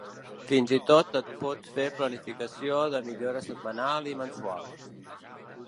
Fins i tot et pots fer planificació de millora setmanal i mensual.